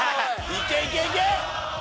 いけいけいけ！